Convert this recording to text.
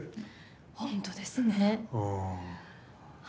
本当ですね。